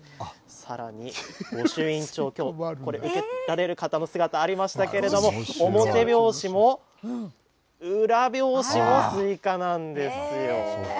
さらに御朱印帳、きょう、これ、受けられる方の姿ありましたけれども、表表紙も裏表紙もスイカなんですよ。